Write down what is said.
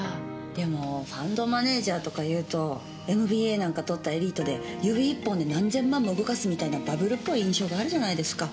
でもファンドマネージャーとかいうとＭＢＡなんか取ったエリートで指一本で何千万も動かすみたいなバブルっぽい印象があるじゃないですか。